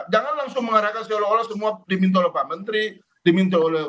jangan langsung mengarahkan seolah olah semua diminta oleh pak menteri diminta oleh